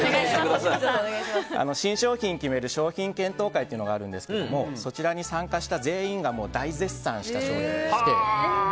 新商品を決める商品検討会というのがあるんですけどもそちらに参加した全員が大絶賛した商品でして。